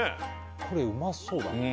これうまそうだね